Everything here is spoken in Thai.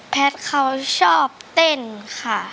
แพทย์เขาชอบเต้นค่ะ